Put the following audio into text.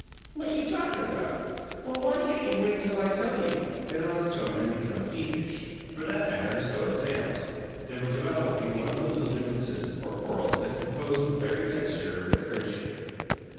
"What you talkin' about?" "Well, why can't you wait till I tell you?" Penrod's tone had become peevish. For that matter, so had Sam's; they were developing one of the little differences, or quarrels, that composed the very texture of their friendship.